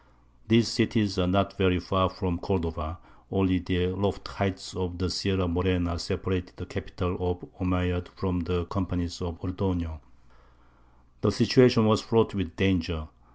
These cities are not very far from Cordova; only the lofty heights of the Sierra Morena separated the capital of the Omeyyads from the companies of Ordoño. The situation was fraught with danger.